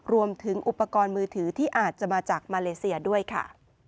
รวมถึงอุปกรณ์มือถือที่อาจจะมาจากมาเลเซียด้วยค่ะ